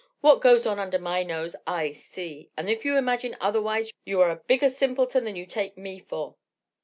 What goes on under my nose, I see; and if you imagine otherwise you are a bigger simpleton that you take me for."